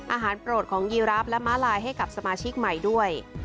โปรดของยีราฟและม้าลายให้กับสมาชิกใหม่ด้วย